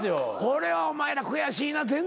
これはお前ら悔しいな。